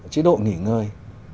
chế độ nghỉ ngơi